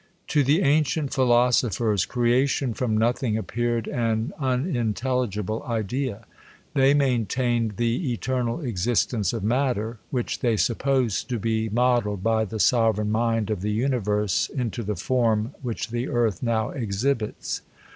^¥10 the ancient philosophers, creation from nothing X appeared an unintelligible idea. They niain tained the eternal existence of matter, which they supposed to be modelled by the sovereign mind of the universe, into the form which the earth now exhibits.